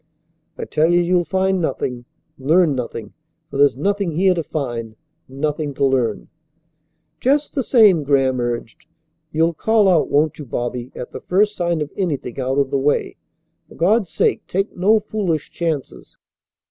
"I tell you you'll find nothing, learn nothing, for there's nothing here to find, nothing to learn." "Just the same," Graham urged, "you'll call out, won't you, Bobby, at the first sign of anything out of the way? For God's sake take no foolish chances."